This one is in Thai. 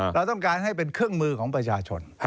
เราต้องการให้เป็นเครื่องมือของประชาชน